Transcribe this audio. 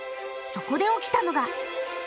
そこで起きたのが。